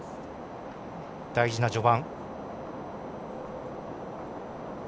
大事な序盤。